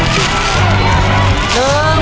พร้อม